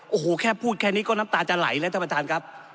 โอ้โหแค่พูดแค่นี้ก็น้ำตาจะไหลแล้วท่านประธานครับ